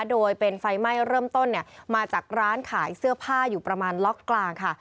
โดยเป็นไฟไหม้เริ่มต้นมาจากร้านขายเสื้อผ้าอยู่ประมาณล็อกกลางค่ะ